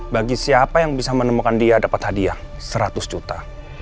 bagi siapa yang bisa menemukan dia dapat hadiah seratus juta